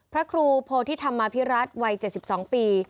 พระครูโพธิธรรมาภิรัตนวัย๗๒ปี